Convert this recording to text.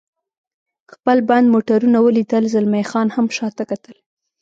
خپل بند موټرونه ولیدل، زلمی خان هم شاته کتل.